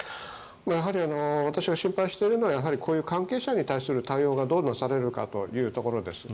私が心配しているのはこういう関係者に対する対応がどうなされるかということです。